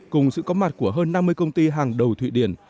cùng sự có mặt của hơn năm mươi công ty hàng đầu thụy điển